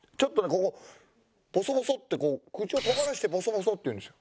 ここボソボソってこう口を尖らせてボソボソって言うんです。